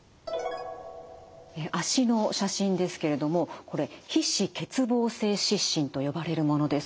脚の写真ですけれどもこれ皮脂欠乏性湿疹と呼ばれるものです。